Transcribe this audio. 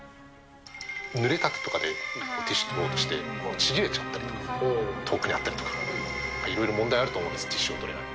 ぬれた手とかでティッシュ取ろうとして、ちぎれちゃったりとか、遠くにあったりとか、いろいろ問題あると思うんです、ティッシュを取れない。